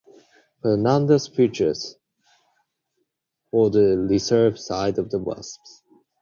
Fernandez featured for the reserve side of the Wasps.